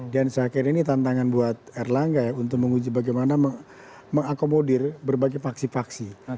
dan seakhir ini tantangan buat erlangga untuk menguji bagaimana mengakomodir berbagai paksi paksi